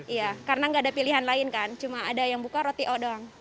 iya karena nggak ada pilihan lain kan cuma ada yang buka roti odong